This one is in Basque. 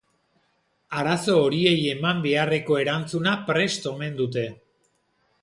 Arazo horiei eman beharreko erantzuna prest omen dute.